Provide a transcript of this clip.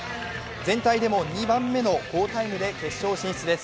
全体でも２番目の好タイムで決勝進出です。